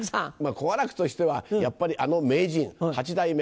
好楽としてはやっぱりあの名人八代目